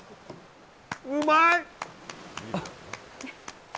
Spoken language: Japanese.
うまい！